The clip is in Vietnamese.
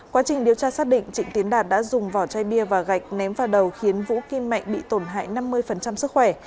quá trình điều tra xác định trịnh tiến đạt đã dùng vỏ chai bia và gạch ném vào đầu khiến vũ kim mạnh bị tổn hại năm mươi sức khỏe